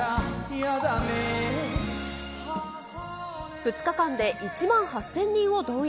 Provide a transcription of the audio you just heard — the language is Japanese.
２日間で１万８０００人を動員。